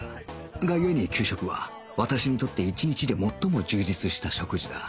がゆえに給食は私にとって一日で最も充実した食事だ